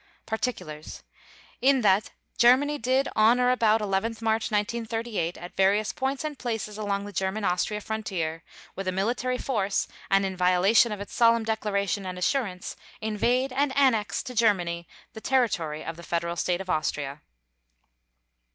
_ PARTICULARS: In that Germany did, on or about 11 March 1938, at various points and places along the German Austria frontier, with a military force and in violation of its solemn declaration and assurance, invade and annex to Germany the territory of the Federal State of Austria.